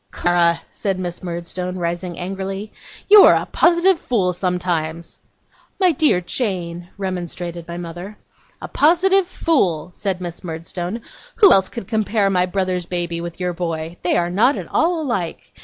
'Clara!' said Miss Murdstone, rising angrily, 'you are a positive fool sometimes.' 'My dear Jane,' remonstrated my mother. 'A positive fool,' said Miss Murdstone. 'Who else could compare my brother's baby with your boy? They are not at all alike.